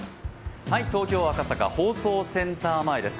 東京・赤坂、放送センター前です。